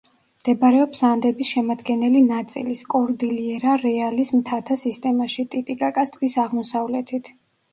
მდებარეობს ანდების შემადგენელი ნაწილის, კორდილიერა-რეალის მთათა სისტემაში, ტიტიკაკას ტბის აღმოსავლეთით.